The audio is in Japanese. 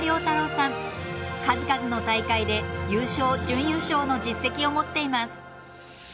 数々の大会で優勝準優勝の実績を持っています。